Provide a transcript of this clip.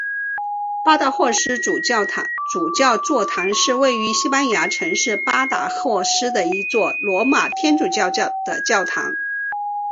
巴达霍斯主教座堂是位于西班牙城市巴达霍斯的一座罗马天主教的教堂。